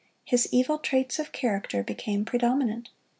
His evil traits of character became predominant.